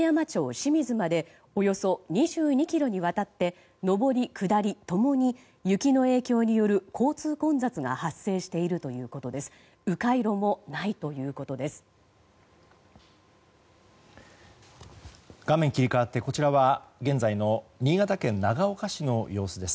清水までおよそ２２ｋｍにわたって上り下り共に雪の影響による交通混雑が発生しているということです。